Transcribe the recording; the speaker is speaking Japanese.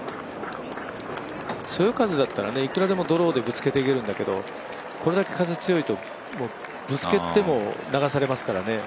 そよ風だったらいくらでもドローでぶつけていけるんだけどこれだけ風強いとぶつけても流されますから。